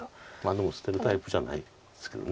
でも捨てるタイプじゃないですけど。